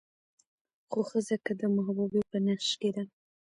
خو ښځه که د محبوبې په نقش کې ده